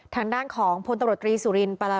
ทางด้านของผลตรวจรีสุฬิน